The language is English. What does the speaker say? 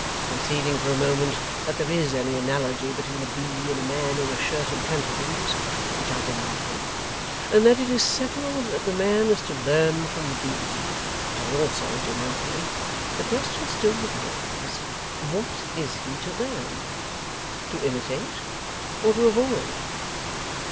Conceding for a moment that there is any analogy between a bee, and a man in a shirt and pantaloons (which I deny), and that it is settled that the man is to learn from the bee (which I also deny), the question still remains, what is he to learn? To imitate? Or to avoid?